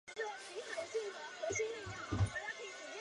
这件事情使得朝廷对久光的信赖加深。